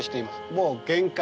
もう限界。